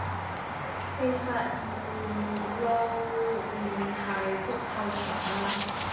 實係漏咗喺足球場啦